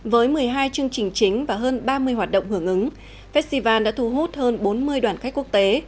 với một mươi hai chương trình chính và hơn ba mươi hoạt động hưởng ứng festival đã thu hút hơn bốn mươi đoàn khách quốc tế